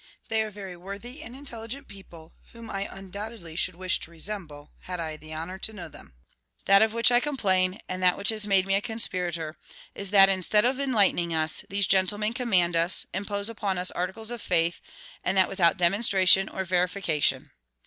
They are very worthy and intelligent people, whom I undoubtedly should wish to resemble, had I the honor to know them. That of which I complain, and that which has made me a conspirator, is that, instead of enlightening us, these gentlemen command us, impose upon us articles of faith, and that without demonstration or verification.